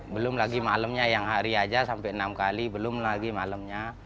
belum lagi malamnya yang hari aja sampai enam kali belum lagi malamnya